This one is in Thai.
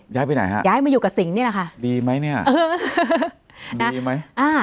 ย้ายไปไหนฮะย้ายมาอยู่กับสิงห์นี่แหละค่ะดีไหมเนี่ยดีไหมอ่า